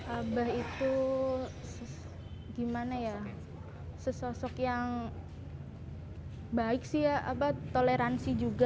abah itu gimana ya sesosok yang baik sih ya apa toleransi juga